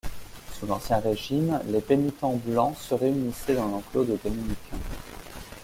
Sous l'ancien régime, les pénitents blancs se réunissaient dans l'enclos de Dominicains.